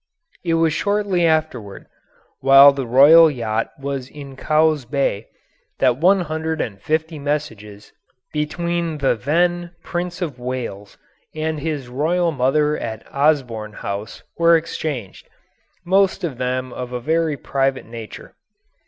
It was shortly afterward, while the royal yacht was in Cowes Bay, that one hundred and fifty messages between the then Prince of Wales and his royal mother at Osborne House were exchanged, most of them of a very private nature.